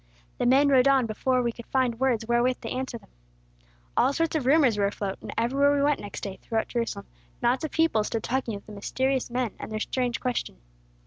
The men rode on before we could find words wherewith to answer them. "All sorts of rumors were afloat, and everywhere we went next day, throughout Jerusalem, knots of people stood talking of the mysterious men, and their strange question.